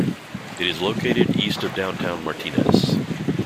It is located east of downtown Martinez.